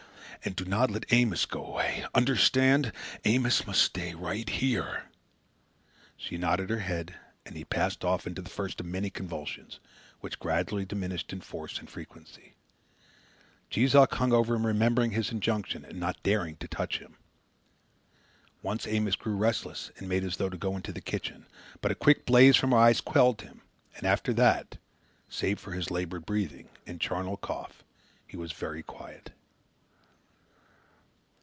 And do not let Amos go away. Understand! Amos must stay right here." She nodded her head, and he passed off into the first of many convulsions, which gradually diminished in force and frequency. Jees Uck hung over him remembering his injunction and not daring to touch him. Once Amos grew restless and made as though to go into the kitchen; but a quick blaze from her eyes quelled him, and after that, save for his laboured breathing and charnel cough, he was very quiet.